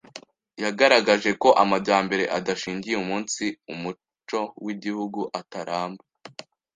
yagaragaje ko amajyambere adashingiye umunsi muco w’igihugu ataramba